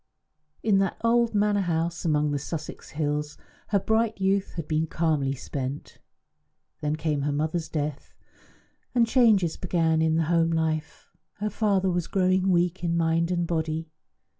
In that old manor house among the Sussex hills her bright youth had been calmly spent. Then came her mother's death, and changes began in the home life. Her father was growing weak in mind and body.